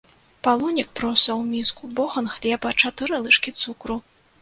Палонік проса ў міску, бохан хлеба, чатыры лыжкі цукру.